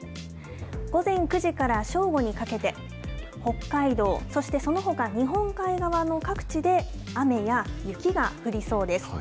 午前９時から正午にかけて、北海道、そしてそのほか日本海側の各地で雨や雪が降りそうです。